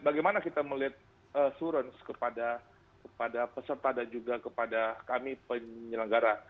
bagaimana kita melihat assurance kepada peserta dan juga kepada kami penyelenggara